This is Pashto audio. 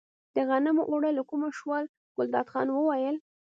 د غنمو اوړه له کومه شول، ګلداد خان وویل.